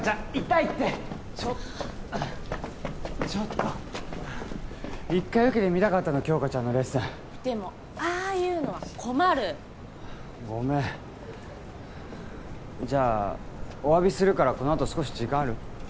痛いってちょっとちょっと１回受けてみたかったの杏花ちゃんのレッスンでもああいうのは困るごめんじゃあお詫びするからこのあと少し時間ある？